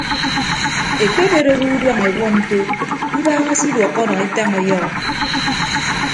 Ekpebet owo uduañ ewuọ nto ibaaha se iduọkkọ nọ etañ ọyọhọ.